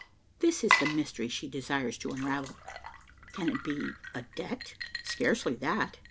This is the mystery she desires to unravel. Can it be a debt? Scarcely that.